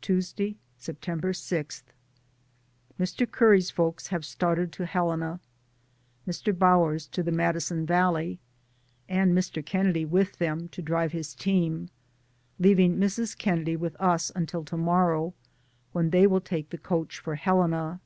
Tuesday, September 6. Mr. Curry's folks have started to Helena. Mr. Bower's to the Madison Valley, and Mr. Kennedy with them, to drive his team, leav ing Mrs. Kennedy with us until to morrow, when they will take the coach for Helena.